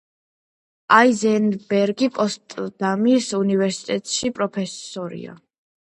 აიზენბერგი პოტსდამის უნივერსიტეტის პროფესორია.